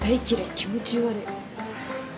気持ち悪い。